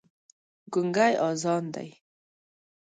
ګونګی اذان دی